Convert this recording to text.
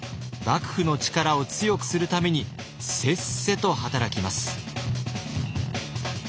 幕府の力を強くするためにせっせと働きます。